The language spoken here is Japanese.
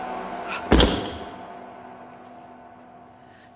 あっ！